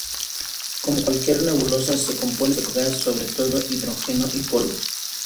Como cualquier nebulosa, se compone de gas, sobre todo hidrógeno y polvo.